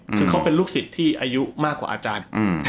เปฟอายุ๕๑ของเป็นลูกศิษย์ที่อายุมากกว่าอาจาร